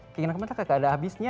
keinginan kita kayak ada habisnya